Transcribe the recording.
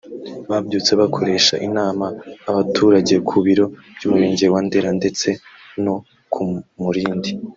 babyutse bakoresha inama abaturage ku biro by’Umurenge wa Ndera ndetse no ku Mulindi